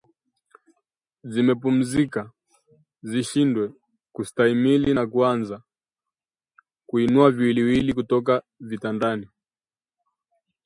zimepumzika zishindwe kustahamili na kuanza kuinua viwiliwili kutoka vitandani